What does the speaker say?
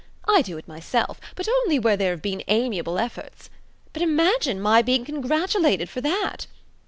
I do it myself: but only where there have been amiable efforts. But imagine my being congratulated for that!